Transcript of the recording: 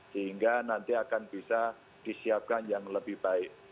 sehingga nanti akan bisa disiapkan yang lebih baik